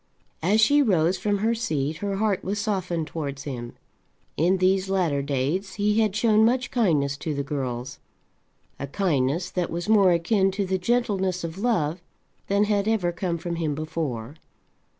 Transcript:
As she rose from her seat her heart was softened towards him. In these latter days he had shown much kindness to the girls, a kindness that was more akin to the gentleness of love than had ever come from him before.